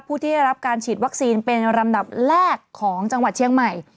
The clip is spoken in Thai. ผู้ที่ได้รับการฉีดวัคซีนเป็นลำดับแรกของจังหวัดเชียงใหม่